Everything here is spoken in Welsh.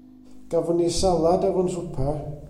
Gafon ni salad hefo'n swpar.